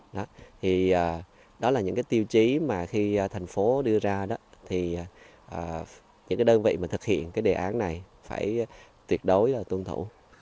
đó thì đó là những cái tiêu chí mà khi thành phố đưa ra đó thì những cái đơn vị mà thực hiện cái đề án này phải tuyệt đối là tuân thủ